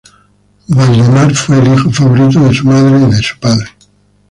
Valdemar fue el hijo favorito de su madre y su padre.